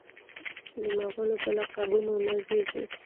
چې د مغلو په لقبونو نازیږي.